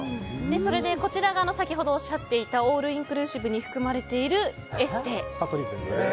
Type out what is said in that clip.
それでこちらが先ほどおっしゃっていたオールインクルーシブに含まれているエステ。